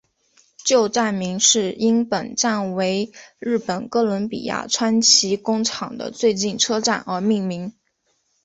旧站名是因本站为日本哥伦比亚川崎工厂的最近车站而命名。